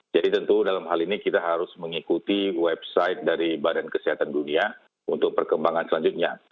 jadi tentu dalam hal ini kita harus mengikuti website dari badan kesehatan dunia untuk perkembangan selanjutnya